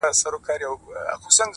• ما چي هلمند ته ترانې لیکلې,